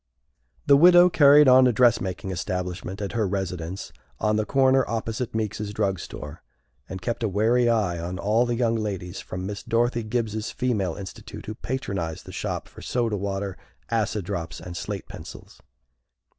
The widow carried on a dress making establishment at her residence on the corner opposite Meeks's drug store, and kept a wary eye on all the young ladies from Miss Dorothy Gibbs's Female Institute who patronized the shop for soda water, acid drops, and slate pencils.